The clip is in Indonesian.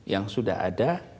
yang sudah ada